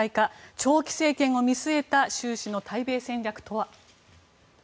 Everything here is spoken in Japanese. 長期政権を見据えた習氏の対米戦略とは。